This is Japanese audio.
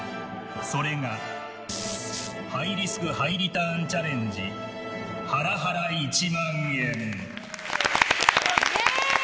それが、ハイリスクハイリターンチャレンジハラハラ１万円。